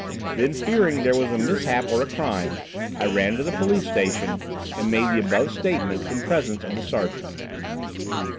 Then, fearing there was a mishap or a crime, I ran to the police station and made the above statement in presence of the sergeant.'"